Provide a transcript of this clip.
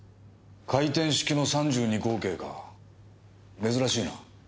回転式の３２口径か珍しいな。